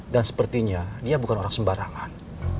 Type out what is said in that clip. dan sepertinya dia bukan orang sembarangan